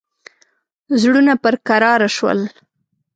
زړونه پر کراره شول.